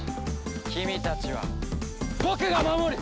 君たちは僕が守る！